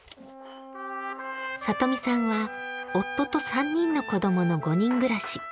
里見さんは夫と３人の子供の５人暮らし。